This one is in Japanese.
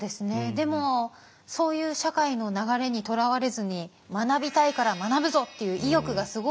でもそういう社会の流れにとらわれずに「学びたいから学ぶぞ」っていう意欲がすごいですね。